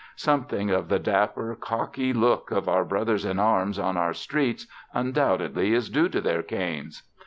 Something of the dapper, cocky look of our brothers in arms on our streets undoubtedly is due to their canes.